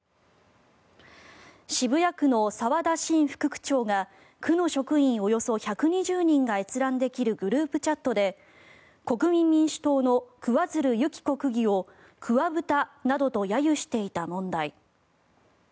渋谷区の澤田伸副区長が区の職員およそ１２０人が閲覧できるグループチャットで国民民主党の桑水流弓紀子区議を桑ブタなどと揶揄していた問題。